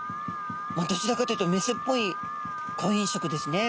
どちらかというとメスっぽい婚姻色ですね。